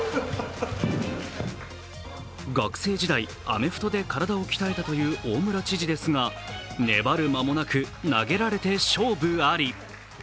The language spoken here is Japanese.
学生時代、アメフトで体を鍛えたという大村知事ですが、粘る間もなく、投げられて勝負あり！